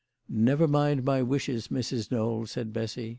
" Never mind my wishes, Mrs. Knowl," said Bessy.